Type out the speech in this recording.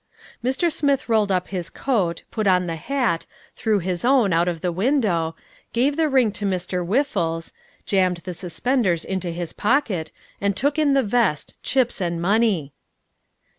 Mr. Smith rolled up the coat, put on the hat, threw his own out of the window, gave the ring to Mr. Whiffles, jammed the suspenders into his pocket, and took in the vest, chips and money.